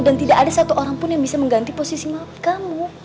dan tidak ada satu orang pun yang bisa mengganti posisi kamu